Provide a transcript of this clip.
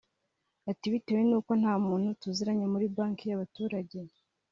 Ati “Bitewe n’uko nta muntu tuziranye muri Banki y’Abaturage